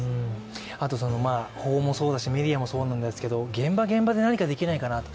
あと法もそうだしメディアもそうだし現場、現場で何かできないかなと。